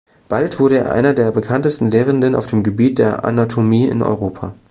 Bald wurde er einer der bekanntesten Lehrenden auf dem Gebiet der Anatomie in Europa.